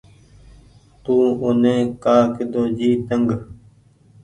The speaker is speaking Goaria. تو اوني ڪآ ڪۮو جي تنگ۔